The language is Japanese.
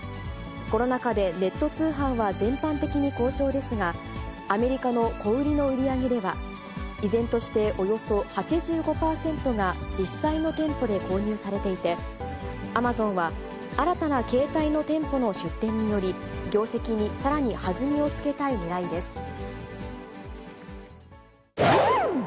コロナ禍でネット通販は全般的に好調ですが、アメリカの小売りの売り上げでは、依然としておよそ８５％が実際の店舗で購入されていて、アマゾンは、新たな形態の店舗の出店により、業績にさらに弾みをつけたいねらいです。